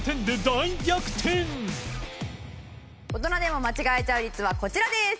大人でも間違えちゃう率はこちらです。